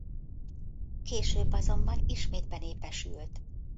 Később azonban ismét benépesült.